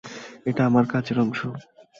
এটা আমার কাজের অংশ।